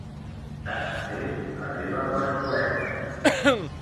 Tanmateix, arriben les polèmiques.